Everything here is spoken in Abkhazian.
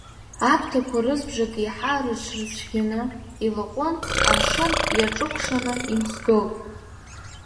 Аԥҭақәа рызбжак еиҳа рыҽрыцәгьаны илаҟәын, амшын иаҿыкәшаны инхгылт.